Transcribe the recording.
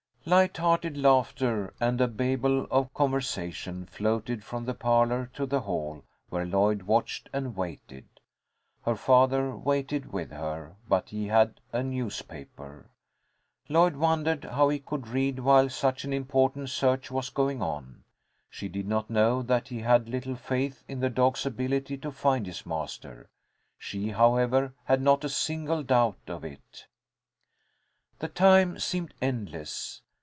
Light hearted laughter and a babel of conversation floated from the parlour to the hall, where Lloyd watched and waited. Her father waited with her, but he had a newspaper. Lloyd wondered how he could read while such an important search was going on. She did not know that he had little faith in the dog's ability to find his master. She, however, had not a single doubt of it. The time seemed endless.